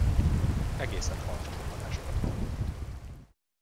Egészen halk csobbanásokat hallott.